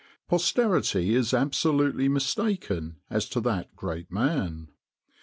Posterity is absolutely mistaken as to that great man.